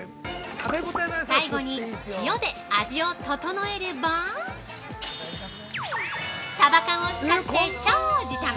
◆最後に塩で味を調えればサバ缶を使って超時短！